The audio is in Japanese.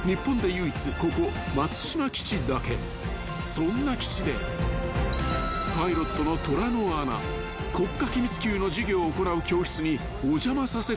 ［そんな基地でパイロットの虎の穴国家機密級の授業を行う教室にお邪魔させてもらった］